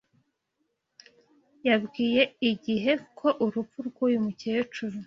yabwiye IGIHE ko urupfu rw’uyu mukecuru